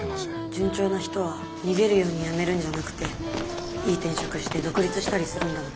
順調な人は逃げるように辞めるんじゃなくていい転職して独立したりするんだもん。